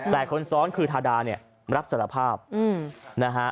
แต่คนซ้อนคือทาดาเนี่ยรับสารภาพนะฮะ